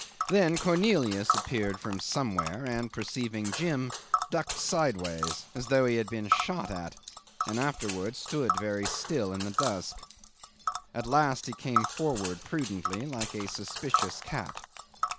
Then Cornelius appeared from somewhere, and, perceiving Jim, ducked sideways, as though he had been shot at, and afterwards stood very still in the dusk. At last he came forward prudently, like a suspicious cat.